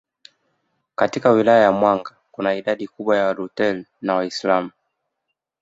Katika Wilaya ya Mwanga kuna idadi kubwa ya Waluteri na Waislamu